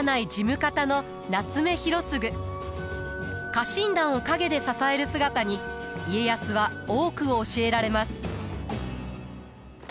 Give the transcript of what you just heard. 家臣団を陰で支える姿に家康は多くを教えられます。